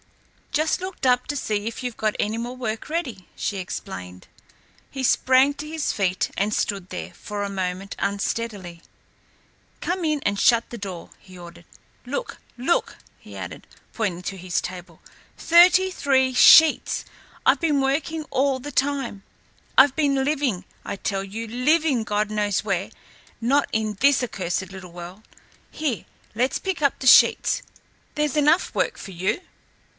"Just looked up to see if you've got any more work ready," she explained. He sprang to his feet and stood there, for a moment, unsteadily. "Come in and shut the door," he ordered. "Look! Look!" he added, pointing to his table. "Thirty three sheets! I've been working all the time. I've been living, I tell you, living God knows where! not in this accursed little world. Here, let's pick up the sheets. There's enough work for you."